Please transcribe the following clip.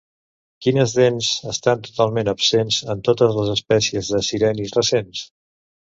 Quines dents estan totalment absents en totes les espècies de sirenis recents?